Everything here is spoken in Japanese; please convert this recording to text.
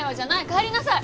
帰りなさい！